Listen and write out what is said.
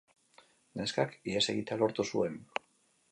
Neskak ihes egitea lortu zuen.